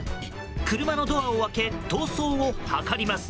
車のドアを開け逃走を図ります。